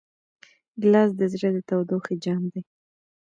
ګیلاس د زړه د تودوخې جام دی.